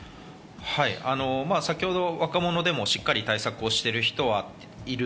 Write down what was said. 先ほど、若者でもしっかり対策をしている人はいる。